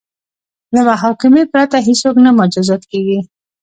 له محاکمې پرته هیڅوک نه مجازات کیږي.